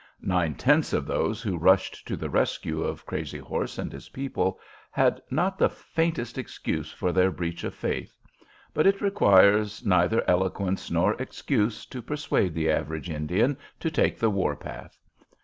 Nine tenths of those who rushed to the rescue of Crazy Horse and his people had not the faintest excuse for their breach of faith; but it requires neither eloquence nor excuse to persuade the average Indian to take the war path.